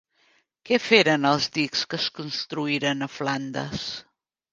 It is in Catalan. Què feren els dics que es construïren a Flandes?